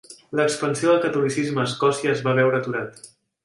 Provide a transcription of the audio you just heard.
L'expansió del catolicisme a Escòcia es va veure aturat.